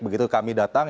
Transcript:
begitu kami datang